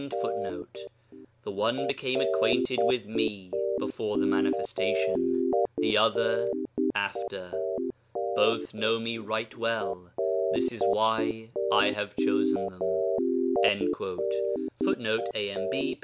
] The one became acquainted with me before the Manifestation, the other after. Both know me right well; this is why I have chosen them.' [Footnote: AMB, pp.